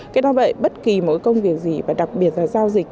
cái do vậy bất kỳ mỗi công việc gì và đặc biệt là giao dịch